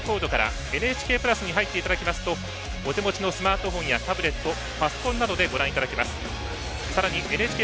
ＱＲコードからホームページに入っていただけますとスマートフォンやタブレットパソコンなどでご覧いただけます。